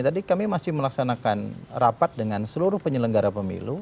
tadi kami masih melaksanakan rapat dengan seluruh penyelenggara pemilu